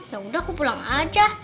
yaudah aku pulang aja